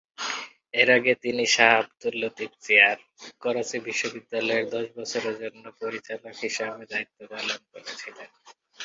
এর আগে তিনি শাহ আবদুল লতিফ চেয়ার, করাচি বিশ্ববিদ্যালয়ের দশ বছরের জন্য পরিচালক হিসাবে দায়িত্ব পালন করেছিলেন।